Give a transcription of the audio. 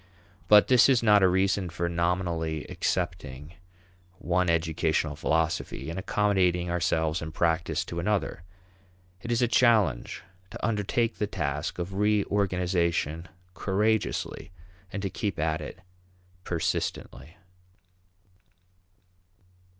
But this is not a reason for nominally accepting one educational philosophy and accommodating ourselves in practice to another. It is a challenge to undertake the task of reorganization courageously and to keep at it persistently.